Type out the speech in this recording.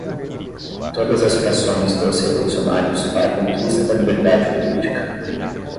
todas as frações dos revolucionários para a conquista da liberdade política